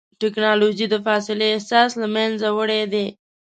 ټکنالوجي د فاصلې احساس له منځه وړی دی.